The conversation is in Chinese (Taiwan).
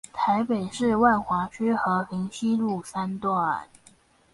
臺北市萬華區和平西路三段